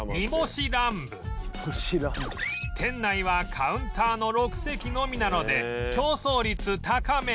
店内はカウンターの６席のみなので競争率高め